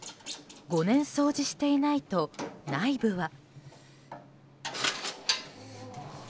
５年掃除していないと内部は。